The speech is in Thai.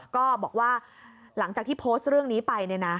ก็บอกว่าหลังจากที่โพสต์เรื่องนี้ไป